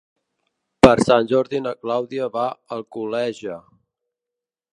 Per Sant Jordi na Clàudia va a Alcoleja.